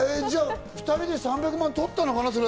じゃあ、２人で３００万とったのかな？